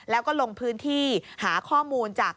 แล้วก็ลงพื้นที่หาข้อมูลจาก